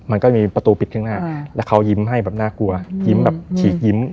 มันก็มีประตูปิดข้างหน้าแล้วเขายิ้มให้แบบน่ากลัวยิ้มแบบฉีกยิ้ม